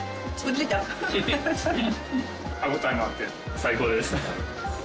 歯応えもあって最高ですね。